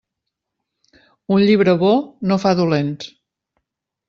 Un llibre bo no fa dolents.